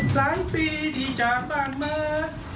สามปีที่จากบ้านมา